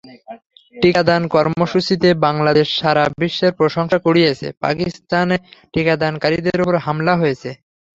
টিকাদান কর্মসূচিতে বাংলাদেশ সারা বিশ্বের প্রশংসা কুড়িয়েছে, পাকিস্তানে টিকাদানকারীদের ওপর হামলা হয়েছে।